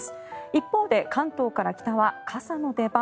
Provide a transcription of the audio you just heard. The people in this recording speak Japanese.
一方で関東から北は傘の出番。